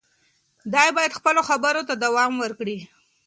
دی باید خپلو خبرو ته دوام ورکړي.